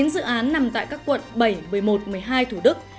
chín dự án nằm tại các quận bảy một mươi một một mươi hai thủ đức